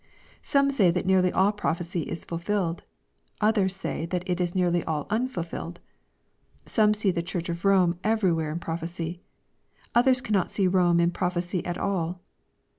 — Some say that nearly all prophecy is fulfilled. Others say that it ia nearly all unfulfilled.— Some see the Church of Rome everywhere in prophecy. Others cannot see Rome in prophecy at all.